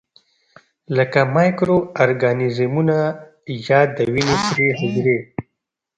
لکه مایکرو ارګانیزمونه یا د وینې سرې حجرې.